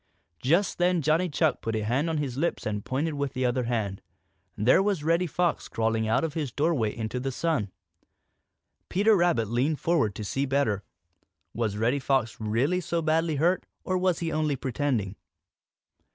Just then Johnny Chuck put a hand on his lips and pointed with the other hand. There was Reddy Fox crawling out of his doorway into the sun. Peter Rabbit leaned forward to see better. Was Reddy Fox really so badly hurt, or was he only pretending?